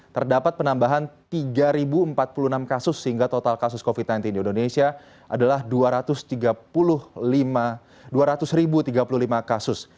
terdapat penambahan tiga empat puluh enam kasus sehingga total kasus covid sembilan belas di indonesia adalah dua ratus tiga ratus tiga puluh lima kasus